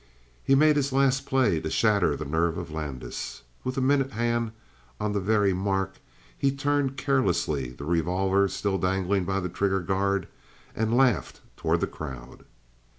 He made his last play to shatter the nerve of Landis. With the minute hand on the very mark, he turned carelessly, the revolver still dangling by the trigger guard, and laughed toward the crowd.